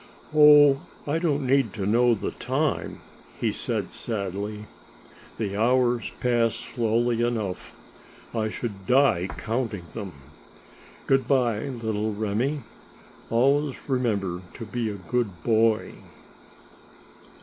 "Oh, I don't need to know the time," he said sadly; "the hours pass slowly enough. I should die counting them. Good by, little Remi; always remember to be a good boy."